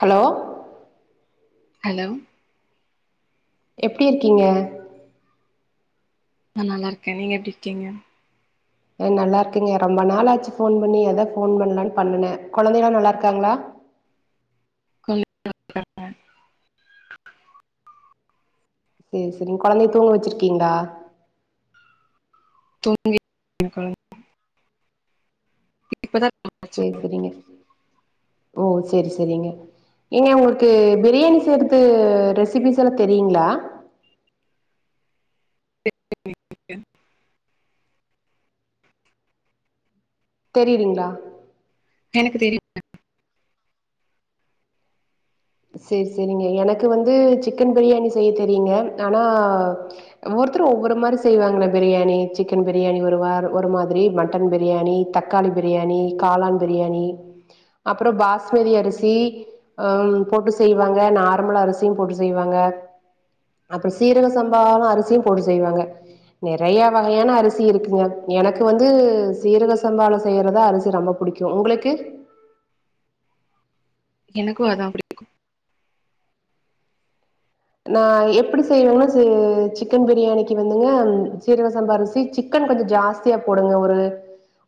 hello hello எப்டி இருக்கீங்க நான் நல்லா இருக்கேன் நீங்க எப்படி இருக்கீங்க ஏ நல்லா இருக்கீங்க ரொம்ப நாளாச்சு ஃபோன் பண்ணி ஏதாவது ஃபோன் பண்ணலான்னு பண்ணுனேன் கொழந்தலா நல்லா இருக்காங்களா குழந்தைக நல்லாக்காங்க சரி சரிங் கொழந்தைய தூங்க வச்சிருக்கீங்கலா தூங்கிட்றுப்பாங்க இப்பதா சேரி சரிங்க ஓ சரி சரிங்க ஏங்க உங்களுக்கு பிரியாணி செய்றது ரெசிபிஸ்லா தெரியுங்களா [inaudible] தெரியிறீங்களா எனக்கு தெரியுங்க சரி சரிங்க எனக்கு வந்து சிக்கன் பிரியாணி செய்ய தெரியுங்க ஆனா ஒவ்வொருத்தரு ஒவ்வொரு மாரி செய்வாங்கல பிரியாணி சிக்கன் பிரியாணி ஒரு வார ஒரு மாதிரி மட்டன் பிரியாணி தக்காளி பிரியாணி காளான் பிரியாணி அப்புறம் பாஸ்மதி அரிசி அம் போட்டு செய்வாங்க நார்மல் அரிசியும் போட்டு செய்வாங்க அப்புறம் சீரக சம்பாள அரிசியும் போட்டு செய்வாங்க நெறயா வகையான அரிசி இருக்குங்க எனக்கு வந்து சீரக சம்பாள செய்யறதா அரிசி ரொம்ப புடிக்கு உங்களுக்கு எனக்கு அதா புடிக்கு நா எப்டி செய்வேன்னா ச சிக்கன் பிரியாணிக்கு வந்துங்க சீரக சம்பா அரிசி சிக்கன் கொஞ்சம் ஜாஸ்தியா போடுங்க ஒரு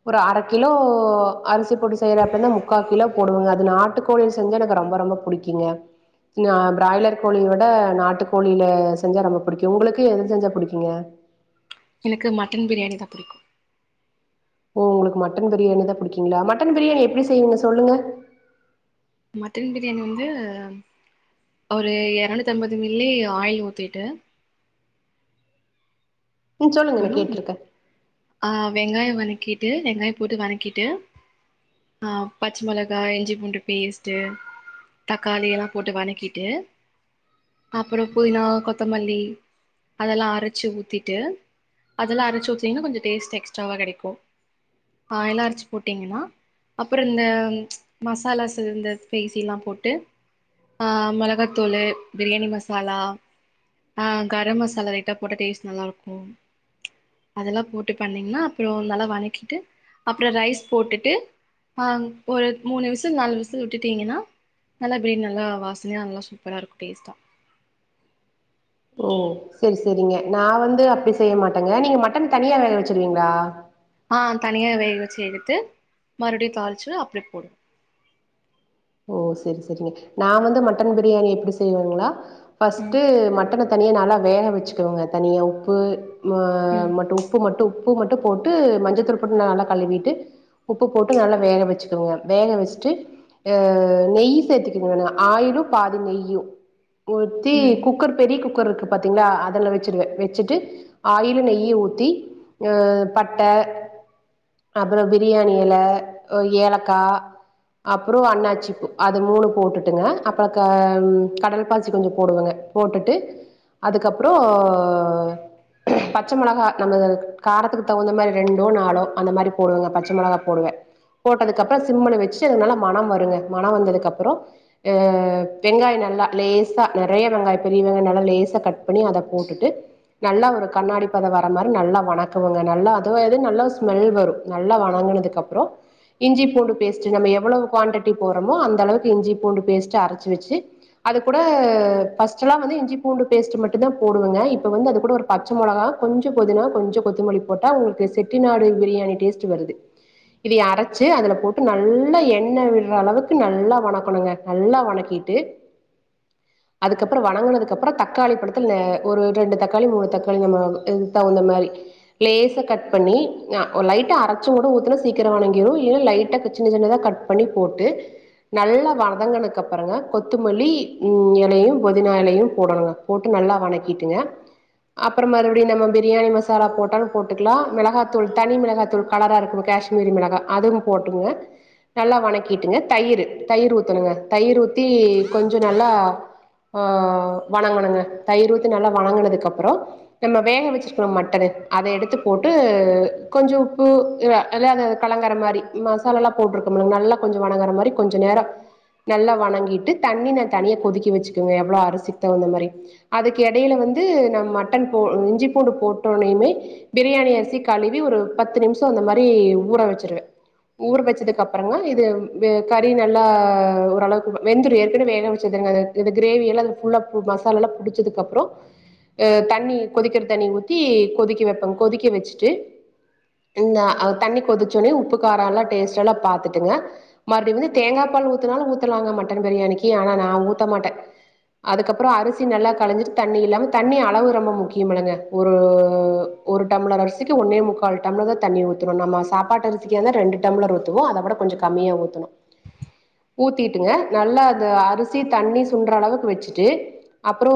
ஒரு அர கிலோ அரிசி போட்டு செய்யறே அப்டினா முக்கா கிலோ போடுவேங்க அது நாட்டு கோழி செஞ்சா எனக்கு ரொம்ப ரொம்ப புடிக்கிங்க நா பிராய்லர் கோழி விட ட நாட்டு கோழில செஞ்சா ரொம்ப பிடிக்கு உங்களுக்கு எது செஞ்சா புடிக்குங்க எனக்கு மட்டன் பிரியாணி தா புடிக்கும் ஓ உங்களுக்கு மட்டன் பிரியாணி தா புடிக்கீங்களா மட்டன் பிரியாணி எப்டி செய்வீங்க சொல்லுங்க மட்டன் பிரியாணி வந்து ஒரு எரநூத்தி அம்பது மில்லி ஆயில் ஊத்திட்டு ம் சொல்லுங்க நா கேட்டுருக்க வெங்காயம் வனக்கிட்டு வெங்காயம் போட்டு வனக்கிட்டு ஆ பச்ச மொளகா இஞ்சி பூண்டு பேஸ்ட்டு தக்காளி எல்லா போட்டு வனக்கிட்டு அப்புறம் புதினா கொத்தமல்லி அதெல்லா அரச்சு ஊத்திட்டு அதெல்லா அரச்சு ஊத்தீங்கன்னா கொஞ்சம் டேஸ்ட் எக்ஸ்ட்ராவா கெடைக்கு ஆ எல்லா அரைச்சு போட்டீங்கன்னா அப்புறம் இந்த மசாலாஸ் இந்த ஸ்பைசி எல்லா போட்டு ஆஹ் மொளகாத்தூளு பிரியாணி மசாலா ஆ கரம் மசாலா லைட்டா போட்டா டேஸ்ட் நல்லாருக்கு அதெல்லா போட்டு பண்ணீங்கன்னா அப்புறம் நல்லா வனக்கிட்டு அப்புறம் ரைஸ் போட்டுட்டு அ ஒரு மூணு விசில் நாலு விசில் விட்டுட்டீங்கன்னா நல்லா பிரியாணி நல்லா வாசனையா நல்லா சூப்பரா இருக்கு டேஸ்டா ஓ சரி சரிங்க நா வந்து அப்டி செய்ய மாட்டேங்க நீங்க மட்டன் தனியா வேக வச்சிருவீங்களா ஆ தனியா வேக வச்சு எடுத்து மறுபடியு தாளிச்சு அப்டி போடு ஓ சரி சரிங்க நா வந்து மட்டன் பிரியாணி எப்டி செய்வங்களா ம் ஃபர்ஸ்ட்டு மட்டன தனியா நல்லா வேக வச்சுக்கவங்க தனியா உப்பு ம ம் மட்டு உப்பு மட்டும் ப்பு மட்டு போட்டு மஞ்சள்தூள் போட் ந நல்லா கலுவிட்டு உப்பு போட்டு நல்லா வேக வெச்சு [unintelligible] வேக வெஷ்ட்டு அ நெய்யி சேத்திக்கி வேணு ஆயிலு பாதி நெய்யு ஊத்தி ம் குக்கர் பெரி குக் குக்கருக்கு பாத்தீங்ளா அதல வெச்சிடுவ வெச்சிட்டு ஆயிலு நெய்யி ஊத்தி அ பட்ட அப்புற பிரியாணி எல உ ஏலக்கா அப் பறோ அன்னாச்சி பூ அது மூணு போட்டுட்டுங்க அப்பற க ம் கடல்பாசி கொஞ்சோ போடுவங்க போட்டுட்டு அதுக்கப்றோ பச்ச மொளகா நம்ளுது காரத்துக்கு தகுந்த மாரி ரெண்டோ நாளோ அந்த மாரி போடுவங்க பச்சை மொளகா போடுவ போட்டதுக்கப்புற சிம்முல வெச்சு நல்லா மணம் வருங்க மண வந்ததுக்கப்பற ஆ வெங்காய நல்லா லேசா நெறயா வெங்காய பெரிய வெங்காய நல்லா லேசா கட் பண்ணி அத போட்டுட்டு நல்லா ஒரு கண்ணாடி பத வர மாரி நல்லா வணக்கவங்க நல்லா அதுவரு நல்லா ஸ்மல் வரு நல்லா வணங்கனதுக்கு அப்புற இஞ்சி பூண்டு பேஸ்ட் நம்ம எவ்வளவு குவாண்டிடி போறோமோ அந்த அளவுக்கு இஞ்சி பூண்டு பேஸ்ட்டு அரைச்சு வெச்சு அது கூட ஃபஸ்ட்டுலா வந்து இஞ்சி பூண்டு பேஸ்ட் மட்டுந்தா போடுவங்க இப்ப வந்து அதுகூட ஒரு பச்ச மொளகா கொஞ்ச பொதினா கொஞ்ச கொத்துமுலி போட்டா உங்களுக்கு செட்டி நாடு பிரியாணி டேஸ்ட்டு வருது இதைய அரைச்சு அதுல போட்டு நல்லா எண் ண விடுற அளவுக்கு நல்லா வணக்கனுங்க நல்லா வணக்கிட்டு அதுக்கப்புற வணங்கனதுக்கப்புற தக்காளி பழத்தில ஒரு ரெண்டு தக்காளி மூணு தக்காளி நம்ம இதுக்கு தகுந்த மாரி லேசா கட் பண்ணி நா ஒ லைட்டா அரைச்சி ஊட ஊத்துனா சீக்கிர வணங்கிரு இல்லனா லைட்டா சின்ன சின்னதா கட் பண்ணி போட்டு நல்லா வதங்குனதுக்கு அப்பறங்க கொத்துமுல்லி இன் எலையு பொதினா எலையு போடணுங்க போட்டு நல்லா வணக்கிட்டுங்க அப்புற மறுபடியு நம்ம பிரியாணி மசாலா போட்டாலு போட்டுக்கலா மெளகாத்தூள் தனி மெளகாத்தூள் கலரா இருக்கு காஷ்மீரி மெளகா அதுவு போட்ருங்க நல்லா வணக்கிட்டுங்க தயிரு தயிர் ஊத்தணுங்க தயிர் ஊத்தி கொஞ்ச நல்லா ஆ வணங்கணுங்க தயிர் ஊத்தி நல்லா வணங்குனதுக்கப்புற நம்ம வேக வெச்சிருக்கற மட்டனு அத எடுத்து போட்டு கொஞ்ச உப்பு இல்ல அல்ல அத கலங்கர மாரி மசாலாலா போட்ரு னங்க நல்லா கொஞ்ச வணங்கற மாரி கொஞ்ச நேர நல்லா வணங்கிட்டு தண்ணி ந தனியா கொதிக்க வெச்சுக்குவ எவ்ளோ அரிசிக் தகுந்த மாரி அதுக்கு எடையில வந்து நா மட்டன் போ இஞ்சி பூண்டு போட்டோன்னயுமே பிரியாணி அரிசி கழுவி ஒரு பத்து நிமிஷ அந்த மாரி ஊற வெச்சிருவ ஊற வெச்சதுக்கப் பறங்க இது வெ கறி நல்லா ஓரளவுக்கு வெந்துரு ஏற்கனவே வேக வச்சது தான இது கிரேவி எல்லா இது ஃபுல்லா பு மசாலாலா புடிச்சதுக்கப்புற ஆ தண்ணி கொதிக்கிற தண்ணி ஊத்தி கொதிக்க வெப்பங் கொதிக்க வெச்சுட்டு இண்ணா அ தண்ணி கொதிச்ச ஒனயு உப்பு கார எல்லா டேஸ்ட்டெலா பாத் த்துங்க மறுபடி வந்து தேங்கா பால் ஊத்துனாலு ஊத்தாலாங்க மட்டன் பிரியாணிக்கு ஆனா நா ஊத்த மாட்ட அதுக்கப்புற அரிசி நல்லா கழிஞ்சிட்டு தண்ணி இல்லாம தண்ணி அளவு ரொம்ப முக்கியமலங்க ஒரு ஒரு டம்ளர் அரிசிக்கு ஒண்ணே முக்கால் டம்ளர்தா தண்ணி ஊத்தணு நம்ம சாப்பாட்டு அரிசிக்கு வந்து ரெண்டு டம்ளர் ஊத்துவோ அதவிட கொஞ்ச கமியா ஊத்தணு ஊத்திட்டுங்க நல்லா அது அரிசி தண்ணி சுன்ற அளவுக்கு வெச்சுட்டு அப்புற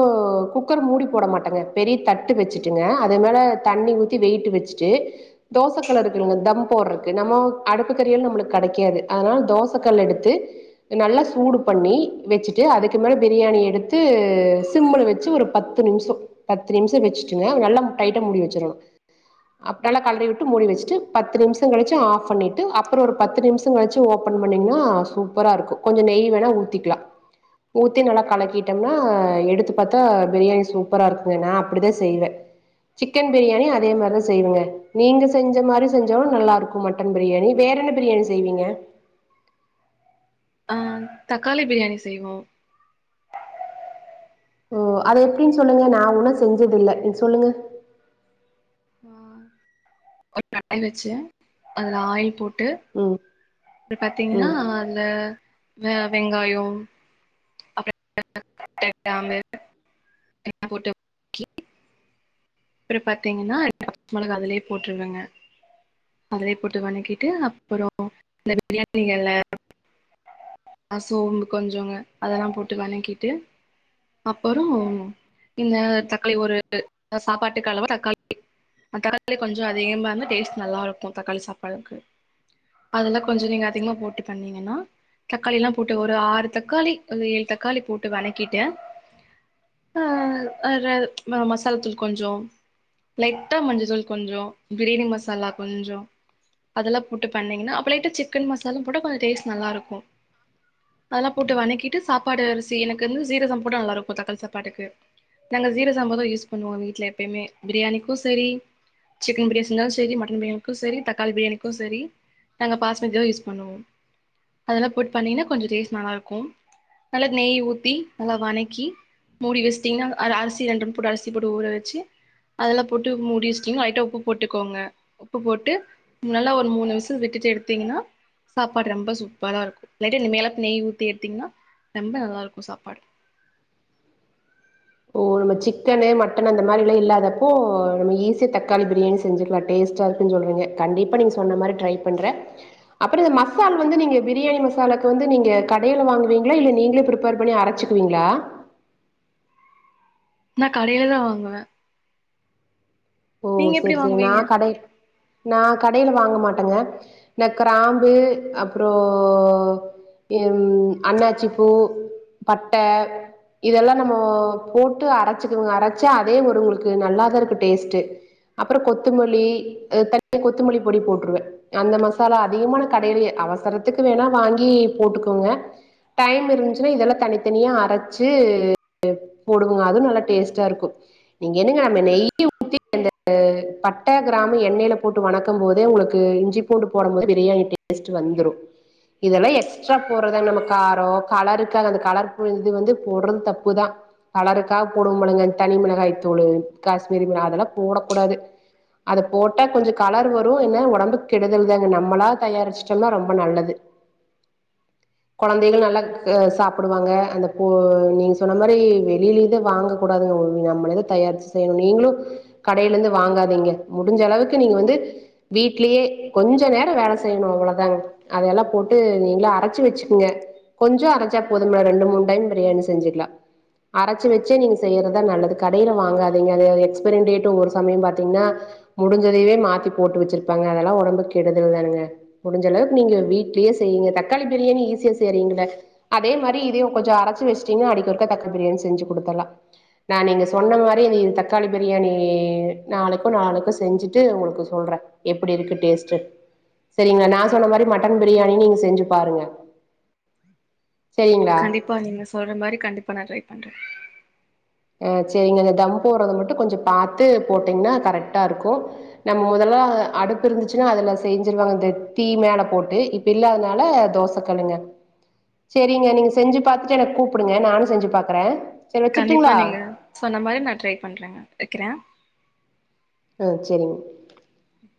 குக்கர் மூடி போட மாட்டங்க பெரிய தட்டு வெச்சிட்டுங்க அது மேல தண்ணி ஊத்தி வெய்ட்டு வெச்சுட்டு தோச கல்லிருக்குங்க தம் போட்றக்கு நம்மோ அடுப்புக்கறில நம்மளுக்கு கெடைக்காது அதனால தோச கல் எடுத்து நல்லா சூடு பண்ணி வெச்சிட்டு அதுக்கு மேல பிரியாணி எடுத்து சிம்முல வெச்சி ஒரு பத்து நிமிஷ பத்து நிமிஷ வெச்சுட்டுங்க நல்லா டைட்டா மூடி வெச்சிரணு அப் நல்லா களறி விட்டு மூடி வெச்சுட்டு பத்து நிமிஷ கழிச்சு ஆஃப் பண்ணிட்டு அப்புற ஒரு பத்து நிமிஷோ கழிச்சு ஓபன் பண்ணிங்னா சூப்பரா இருக்கு கொஞ்சோ நெய் வேணா ஊத்திக்லா ஊத்தி நல்லா கலக்கிட்டம்னா எடுத்து பாத்தா பிரியாணி சூப்பரா இருக்குங்க நா அப்படிதா செய்வ சிக்கன் பிரியாணி அதே மாரி தா செய்வங்க நீங்க செஞ்ச மாரி செஞ்சாலு நல்லா இருக்கு மட்டன் பிரியாணி வேற என்ன பிரியாணி செய்விங்க ஆ தக்காளி பிரியாணி செய்வோ ஓ அதெப்டின் சொல்லுங்க நா உன்னோ செஞ்சதில்ல நீங் சொல்லுங்க ஆ ஒரு கடாய் வெச்சு அதுல ஆயில் போட் ம் அப்ற பாத்திங்னா ம் அந்த அ அ வெங்காயோ அப்றோ [inaudible] பட்ட கிராம்பு எல்லா போட்டு அப்றோ பாத்திங்னா மொளகா அதுலயே போட்ருவங்க அதுலயே போட்டு வணக்கிட்டு அப்பறோ இந்த பிரியாணி எல அ சோம்பு கொஞ்சோங்க அதெல்லா போட்டு வணக்கிட்டு அப்பறோ இந்த தக்காளி ஒரு சாப்பாட்டுக்கு அளவா தக்காளி தக்காளி கொஞ்சோ அதிகமா இருந்த டேஸ்ட் நல்லா இருக்கு தக்காளி சாப்பாடுக்கு அதெல்லா கொஞ்சோ நீங்க அதிகமா போட்டு பண்ணிங்கன்னா தக்காளில்லா போட்டு ஒரு ஆறு தக்காளி ஒரு ஏழு தக்காளி போட்டு வணக்கிட்டு அ அதுல ம மசால்தூள் கொஞ்சோ லைட்டா மஞ்ச தூள் கொஞ்சோ பிரியாணி மசாலா கொஞ்சோ அதெல்லா போட்டு பண்ணிங்னா அப் ப லைட்டா சிக்கன் மசாலா போட்டா கொஞ்ச டேஸ்ட் நல்லா இருக்கு அதெல்லா போட்டு வணக்கிட்டு சாப்பாடு அரிசி எனக்கு வந்து ஜீரகசம்மா போட்ட நல்லா இருக்கு தக்காளி சாப்பாட்டுக்கு நாங்க ஜீரசம்மாதா யூஸ் பண்ணுவோ வீட்ல எப்பயுமே பிரியாணிக்கு செரி சிக்கன் பிரியாணி செஞ்சாலு செரி மட்டன் பிரியாணிக்கு செரி தக்காளி பிரியாணிக்கு செரி நாங்க பாசுமதிதா யூஸ் பண்ணுவோ அதெல்லா போட்டு பண்ணிங்னா கொஞ்சோ டேஸ்ட் நல்லா இருக்கு நல்லா நெய் ஊத்தி நல்லா வணக்கி மூடி வெச்சிட்டிங்னா அ அரிசி ரெண்டு போடு அரிசி போட்டு ஊற வெச்சு அதெல்லா போட்டு மூடி வெச்சிட்டிங்னா லைட்டா உப்பு போட்டுக்கோங்க உப்பு போட்டு நல்லா ஒரு மூணு விசில் விட் டுட்டு எடுத்திங்னா சாப்பாடு ரொம்ப சூப்பரா இருக்கு லைட்டா இன் மேல நெய் ஊத்தி எடுத்திங்னா ரெம்ப நல்லா இருக்கு சாப்பாடு ஓ நம்ம சிக்கனு மட்டன் அந்த மாரில்லா இல்லாதப்போ நம்ம ஈஸியா தக்காளி பிரியாணி செஞ்சுக்கலா டேஸ்ட்டா இருக்குன்னு சொல்றீங்க கண்டிப்பா நீங்க சொன்ன மாரி ட்ரை பண்றே அப்பறோ இந்த மசால் வந்து நீங்க பிரியாணி மசாலாக்கு வந்து நீங்க கடையில வாங்குவீங்களா இல்ல நீங்களே பிரிப்பேர் பண்ணி அரச்சுக்குவீங்களா நா கடையிலதா வாங்குவே ஓ நீங்க எப்டி செரி செரி நா வாங்குவீங்க கடை நா கடைல வாங்க மாட்டேங்க இந்த கிராம்பு அப்றோ எம் அன்னாச்சி பூ பட்ட இதெல்லா நம்மோ போட்டு அரச்சுகுவுங்க அரச்சு அதே ஒரு உங்களுக்கு நல்லாத இருக்கு டேஸ்ட்டு அப்பறோ கொத்துமல்லி தனி கொத்தமல்லி பொடி போட்டுருவே அந்த மசாலா அதிகமான கடையிலே அவசரத்துக்கு வேணா வாங்கி போட்டுக்கோங்க டைம் இருந்துச்சுன்னா இதெல்லா தனித்தனியா அரச்சு போடுவங்க அதுவு நல்ல டேஸ்டா இருக்கு நீங்க என்னங்க நம்ம நெய் ஊத்தி அந்த ஆ பட்ட கிராமு எண்ணெல போட்டு வணக்கு போதே உனக்கு இஞ்சி பூண்டு போடு போதே பிரியாணி டேஸ்ட் வந்துரு இதெல்லா எக்ஸ்ட்ரா போடுறதா நம்ம காரோ கலருக்காக அந்த கலர்பூ இது வந்து போடுறது தப்புதா கலருக்காக போடுவோமுழுங்க அந்த தனி மிளகாய் தூளு காஷ்மீரி மிளகா அதெல்லா போடக்கூடாது அத போட்டா கொஞ்சோ கலர் வரு என்ன ஒடம்புக் கெடுதல்தாங்க நம்மளா தயாரிச்சுட்டோனா ரொம்ப நல்லது கொழந்தைகள் நல்லா க சாப்புடுவாங்க அந்த போ நீங்க சொன்ன மாரி வெளியிலிந்தே வாங்க கூடாதுங்க நம்மளேதா தயார் செய்யணு நீங்களு கடையில இருந்து வாங்காதீங்க முடிஞ்ச அளவுக்கு நீங்க வந்து வீட்லேயே கொஞ்சோ நேரோ வேல செய்யணு அவ்ளோதாங்க அதையெல்லா போட்டு நீங்களா அரச்சு வச்சுக்கங்க கொஞ்சோ அரச்சா போதும்ல ரெண்டு மூணு டைம் பிரியாணி செஞ்சுக்கலா அரச்சி வச்சே நீங்க செய்யறதா நல்லது கடையில வாங்காதீங்க அதுசது எக்ஸ்பரிடேட் ட்டு ஒரு சமயோ பாத்தீங்கனா முடிஞ்சதவே மாத்தி போட்டு வச்சிருப்பாங்க அதெல்லா ஒடம்புக்கெடுதல்தானங்க முடிஞ்ச அளவுக்கு நீங்க வீட்லேயே செய்யுங்க தக்காளி பிரியாணி ஈஸியா செய்றீங்கள அதே மாரி இதயு கொஞ்சோ அரச்சு வச்சிடிங்கனா அடிக்கு ஒருக்க தக்காளி பிரியாணி செஞ்சு குடுத்தற்லா நா நீங்க சொன்ன மாரி இந்த இது தக்காளி பிரியாணி ணி நாளைக்கோ நாளான்னைக்கோ செஞ்சுட்டு உங்களுக்கு சொல்றே எப்டி இருக்கு டேஸ்ட்டு செரிங்க நா சொன்ன மாரி மட்டன் பிரியாணி நீங்க செஞ்சு பாருங்க செரிங்களா கண்டிப்பா நீங்க சொல்ற மாரி கண்டிப்பா நா ட்ரை பண்றே ஆ, செரிங்க அந்த தம் போட்றத மட்டு கொஞ்சோ பாத்து போட்டீங்கனா கரெக்டா இருக்கு நம்ம மொதல்ல அடுப்பு இருந்துச்சுனா அதுல செஞ்சிருவாங்க இந்த தீ மேல போட்டு இப்ப இல்லாதனால தோச கல்லுங்க செரிங்க நீங்க செஞ்சு பாத்துட்டு எனக்கு கூப்பிடுங்க நானு செஞ்சு பாக்குறே செரி கண்டிப்பா வச்சுட்டுங்களா நீங்க சொன்ன மாரி நா ட்ரை பண்றேங்க வக்கிறே ம் சேரிங்க ம்